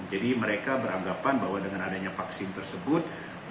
jadi mereka beranggapan bahwa dengan adanya vaksin tersebut